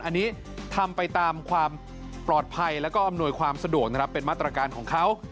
อันนี้ทำไปตามความปลอดภัยแล้วก็อำนวยความสะดวกนะครับเป็นมาตรการของเขา